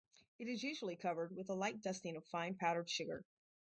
It is usually covered with a light dusting of fine powdered sugar.